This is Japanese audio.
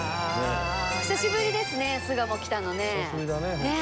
久しぶりですね巣鴨来たのね。